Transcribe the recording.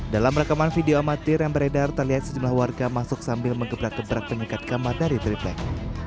dalam rekaman video amatir yang beredar terlihat sejumlah warga masuk sambil mengebrak gebrak pengikat kamar dari triplek